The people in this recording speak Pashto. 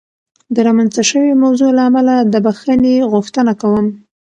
د رامنځته شوې موضوع له امله د بخښنې غوښتنه کوم.